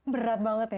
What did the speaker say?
berat banget ya